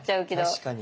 確かに。